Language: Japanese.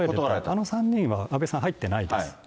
あの３人は安倍さん、入ってないです。